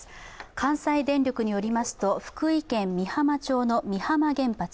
関西電力によりますと福井県美浜町の美浜原発